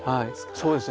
そうですね。